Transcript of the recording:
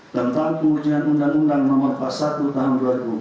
tentang pengujian undang undang no empat puluh satu tahun dua ribu empat belas